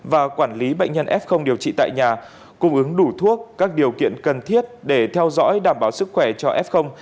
và quản lý bệnh nhân f điều trị tại nhà cung ứng đủ thuốc các điều kiện cần thiết để theo dõi đảm bảo sức khỏe cho f